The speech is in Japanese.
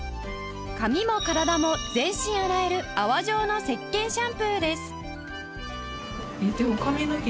髪も体も全身洗える泡状の石けんシャンプーです